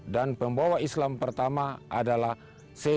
dan pembawa islam pertama adalah sejalahuddin